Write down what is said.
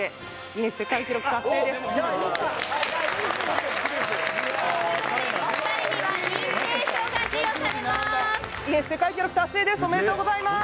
ギネス世界記録達成です